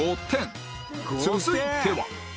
続いては